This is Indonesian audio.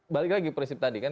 balik lagi prinsip tadi kan